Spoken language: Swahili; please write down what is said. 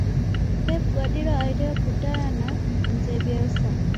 pep guardiola alitaka kukutana na mzee bielsa